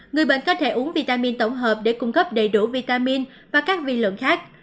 người bệnh có thể uống vitamin tổng hợp để cung cấp đầy đủ vitamin và các vi lượng khác